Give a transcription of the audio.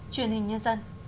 truyền hình nhân dân